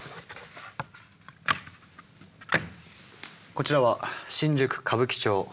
こちらは新宿・歌舞伎町。